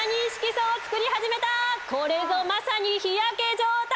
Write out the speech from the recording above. これぞまさに日焼け状態！